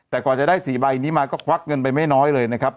แต่กว่าจะได้๔ใบนี้มาก็ควักเงินไปไม่น้อยเลยนะครับ